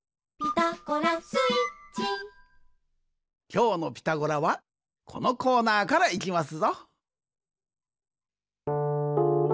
きょうの「ピタゴラ」はこのコーナーからいきますぞ。